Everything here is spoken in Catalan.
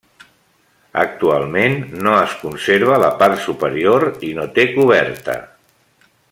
Actualment no es conserva la part superior i no té coberta.